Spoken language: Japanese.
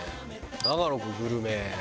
長野君グルメ。